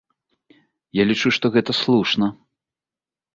Я лічу, што гэта слушна.